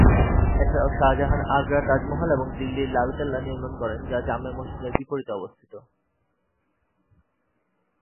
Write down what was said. এছাড়াও শাহজাহান আগ্রার তাজমহল এবং দিল্লির লাল কেল্লা নির্মাণ করেন, যা জামে মসজিদের বিপরীতে অবস্থিত।